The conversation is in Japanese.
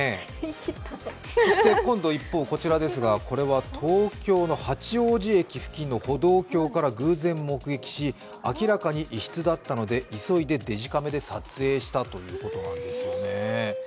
そして一方こちらですがこれは東京の八王子駅付近の歩道橋から偶然目撃し、明らかに異質だったので急いでデジカメで撮影したということなんですよね。